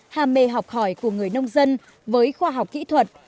hà mê học hỏi của người nông dân với khoa học kỹ thuật